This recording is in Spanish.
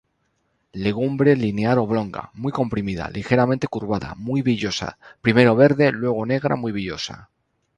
Legumbre linear-oblonga, muy comprimida, ligeramente curvada, muy villosa, primero verde, luego negra muy villosa.